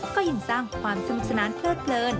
ก็ยังสร้างความสนุกสนานเพลิดเพลิน